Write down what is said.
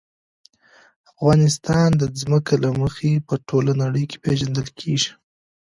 افغانستان د ځمکه له مخې په ټوله نړۍ کې پېژندل کېږي.